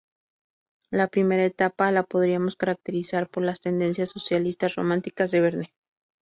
La primera etapa la podríamos caracterizar por las tendencias socialistas románticas de Verne.